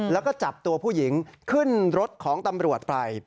แล้วก็จับตัวผู้หญิงขึ้นรถของตำรวจไป